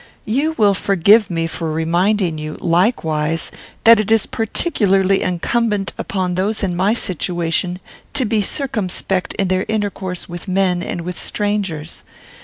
You will forgive me for reminding you, likewise, that it is particularly incumbent upon those in my situation to be circumspect in their intercourse with men and with strangers.